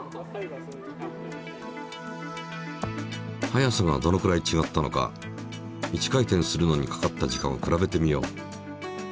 速さがどのくらいちがったのか１回転するのにかかった時間を比べてみよう。